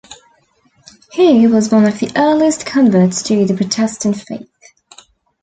He was one of the earliest converts to the Protestant faith.